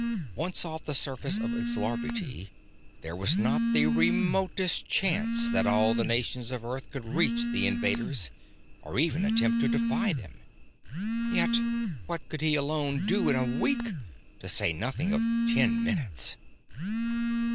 Once off the surface of Xlarbti, there was not the remotest chance that all the nations of Earth could reach the invaders or even attempt to defy them. Yet what could he alone do in a week, to say nothing of ten minutes?